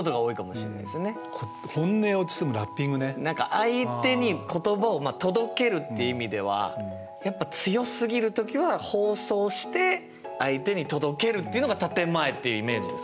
何か相手に言葉を届けるって意味ではやっぱ強すぎる時は包装して相手に届けるっていうのが建て前っていうイメージですかね。